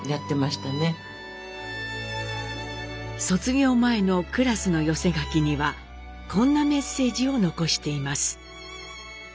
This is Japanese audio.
卒業前のクラスの寄せ書きにはこんなメッセージを残しています。